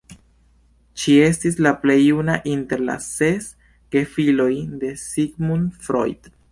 Ŝi estis la plej juna inter la ses gefiloj de Sigmund Freud.